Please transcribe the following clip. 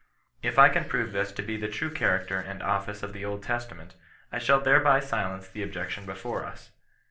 If I can prove this to be the true character and office of the Old Testament, I shall thereby silence the objection before us.